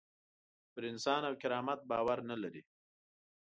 پر انسان او کرامت باور نه لري.